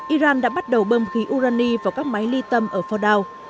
iran đã bắt đầu bơm khí urani vào các máy ly tâm ở fordan